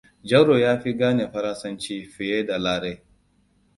Jauro ya fi gane faransanci fiye da Lare.